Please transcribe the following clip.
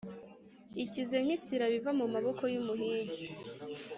ikize nk’isirabo iva mu maboko y’umuhigi,